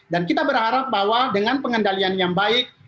dan kita berharap bahwa dengan pengendalian yang baik